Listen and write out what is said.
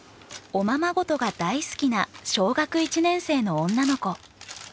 おままごとが大好きな小学１年生の女の子。